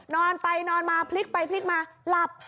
นอนไปนอนมาพลิกไปพลิกมาหลับ